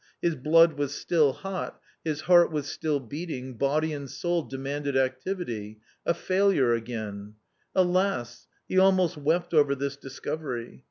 His blood was still hot, his heart was still beating, body and soul demanded activity A failure again 1 Alas ! he almost wept over this discovery.